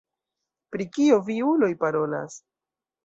Pri kio vi uloj parolas?